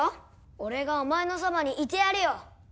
俺がお前のそばにいてやるよ。